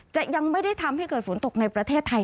จะยังไม่ได้ทำให้เกิดฝนตกในประเทศไทย